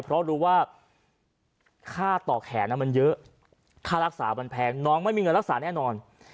เพราะรู้ว่าค่าต่อแขนมันเยอะค่ารักษามันแพงน้องไม่มีเงินรักษาแน่นอน